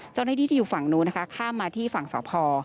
เจ้าหน้าที่อยู่ฝั่งนู้นข้ามมาที่ฝั่งสอบภ